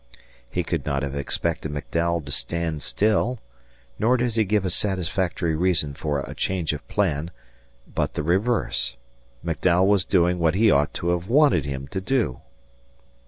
He could not have expected McDowell to stand still; nor does he give a satisfactory reason for a change of plan, but the reverse. McDowell was doing what he ought to have wanted him to do.